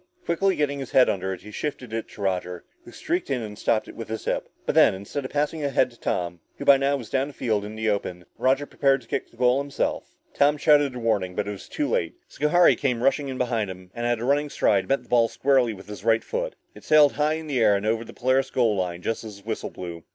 Quickly getting his head under it, he shifted it to Roger, who streaked in and stopped it with his hip. But then, instead of passing ahead to Tom, who by now was down field and in the open, Roger prepared to kick for the goal himself. Tom shouted a warning but it was too late. Schohari came rushing in behind him, and at running stride, met the ball squarely with his right foot. It sailed high in the air and over the Polaris goal line just as the whistle blew.